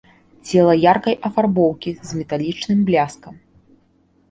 Цела яркай афарбоўкі, з металічным бляскам.